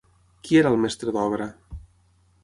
Qui era el mestre d'obra?